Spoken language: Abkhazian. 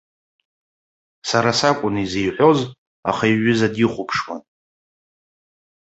Сара сакәын изеиҳәоз, аха иҩыза дихәаԥшуан.